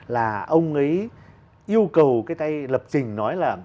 là ông ấy yêu cầu cái tay lập trình nói là